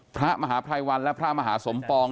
พระมหาภัยวันและพระมหาสมปอง